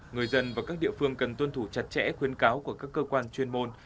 người dân và các địa phương cần tuân thủ chặt chẽ khuyến cáo của các cơ quan chuyên môn